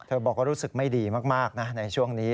บอกว่ารู้สึกไม่ดีมากนะในช่วงนี้